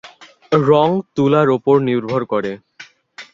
রঙ তুলার উপর নির্ভর করে।